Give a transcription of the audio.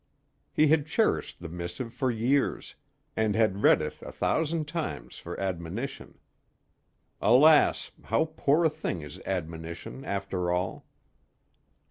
He had cherished the missive for years, and had read it a thousand times for admonition. Alas! how poor a thing is admonition after all!